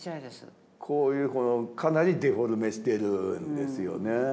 こういうこのかなりデフォルメしてるんですよね。